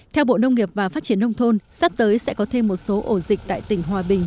theo bộ nông nghiệp và phát triển nông thôn sắp tới sẽ có thêm một số ổ dịch tại tỉnh hòa bình